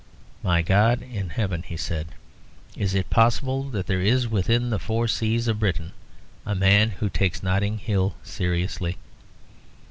"My God in Heaven!" he said; "is it possible that there is within the four seas of Britain a man who takes Notting Hill seriously?"